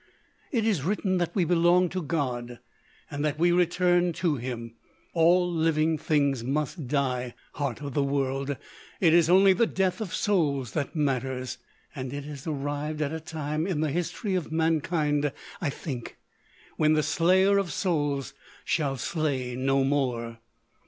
"It is written that we belong to God and that we return to Him. All living things must die, Heart of the World! It is only the death of souls that matters. And it has arrived at a time in the history of mankind, I think, when the Slayer of Souls shall slay no more."